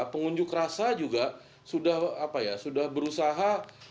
pengunjuk rasa juga sudah berusaha